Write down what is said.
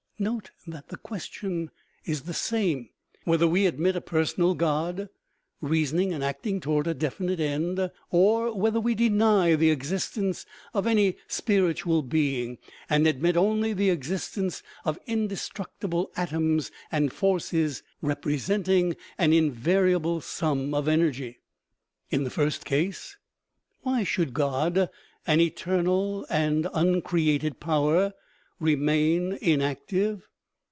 " Note that the question is the same, whether we admit a personal God, reasoning and acting toward a definite end, or, whether we deny the existence of any spiritual being, and admit only the existence of indestructible atoms and forces representing an invariable sum of energy. In the first case, why should God, an eternal and uncreated power, remain inactive